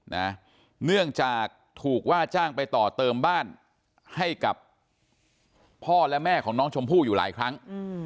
เนื่องจากถูกว่าจ้างไปต่อเติมบ้านให้กับพ่อและแม่ของน้องชมพู่อยู่หลายครั้ง